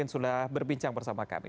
sudah berbincang bersama kami